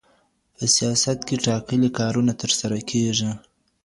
په سياست کي ټاکلي کارونه ترسره کيږي.